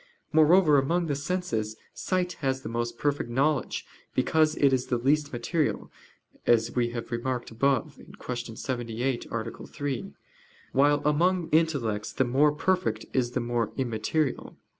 Moreover, among the senses, sight has the most perfect knowledge, because it is the least material, as we have remarked above (Q. 78, A. 3): while among intellects the more perfect is the more immaterial.